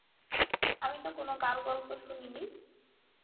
আমি তো কোন গাল-গল্প শুনিনি?